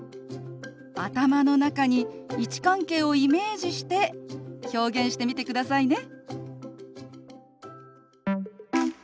頭の中に位置関係をイメージして表現してみてくださいね。